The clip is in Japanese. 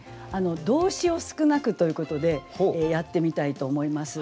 「動詞を少なく」ということでやってみたいと思います。